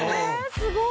すごい。